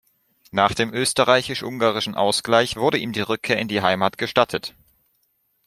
Nach dem Österreichisch-Ungarischen Ausgleich wurde ihm die Rückkehr in die Heimat gestattet.